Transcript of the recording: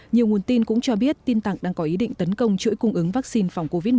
nhiều nguồn tin cũng cho biết tin tặc đang có ý định tấn công chuỗi cung ứng vaccine phòng covid một mươi chín